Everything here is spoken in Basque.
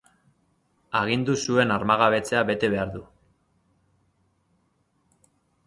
Agindu zuen armagabetzea bete behar du.